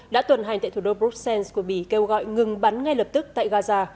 đã tuần hành tại thủ đô bruxelles của bỉ kêu gọi ngừng bắn ngay lập tức tại gaza